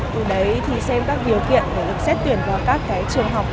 từ đấy thì xem các điều kiện để được xét tuyển vào các trường học